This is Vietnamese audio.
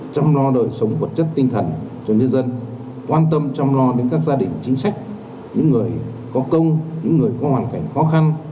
trong lo đời sống vật chất tinh thần cho nhân dân quan tâm chăm lo đến các gia đình chính sách những người có công những người có hoàn cảnh khó khăn